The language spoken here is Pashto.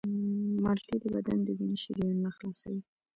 مالټې د بدن د وینې شریانونه خلاصوي.